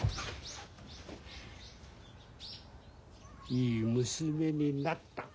いい娘になった。